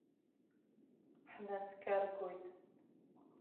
Ҳнаскьаргоит.